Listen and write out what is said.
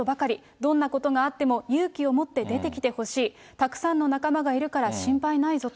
どんなことがあっても勇気を持って出てきてほしい、たくさんの仲間がいるから心配ないぞと。